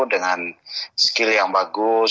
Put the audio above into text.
dengan skill yang bagus